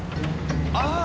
ああ！